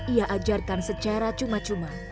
ia ajarkan secara cuma cuma